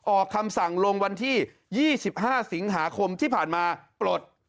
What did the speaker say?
ออกคำสั่งลงวันที่๒๕สิงหาคมที่ผ่านมาปลด